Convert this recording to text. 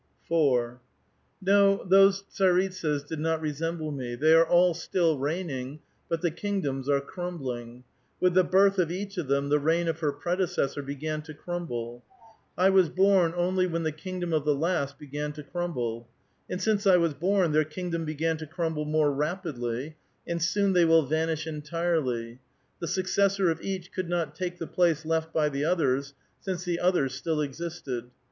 4. " No, those tsaritsas did not resemble me. Thev are all still reigning, but the kingdoms are crumbling. With the birth of each of them the rc ign of her predecessor began to crumble. I was born only when the kingdom of the last began to crumble. And since I was born, their kingdom began to crumble more rapidly ; and soon they will vanish entirely ; the successor of each could not take the place left by the others, since the others still existed.